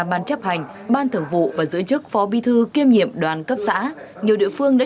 ban chấp hành ban thưởng vụ và giữ chức phó bi thư kiêm nhiệm đoàn cấp xã nhiều địa phương đã